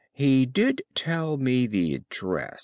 He did tell me the address.